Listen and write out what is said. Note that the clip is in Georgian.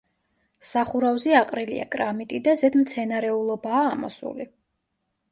სახურავზე აყრილია კრამიტი და ზედ მცენარეულობაა ამოსული.